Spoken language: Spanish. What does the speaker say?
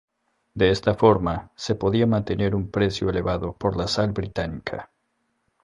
De esta forma se podía mantener un precio elevado por la sal británica.